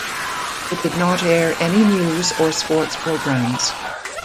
It did not air any news or sports programs.